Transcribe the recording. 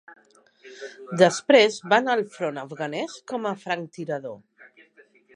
Després va anar al front afganès com a franctirador.